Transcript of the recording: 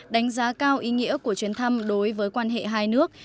đánh giá cao ý nghĩa của chuyến thăm đối với quan hệ hai nước